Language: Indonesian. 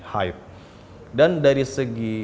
hide dan dari segi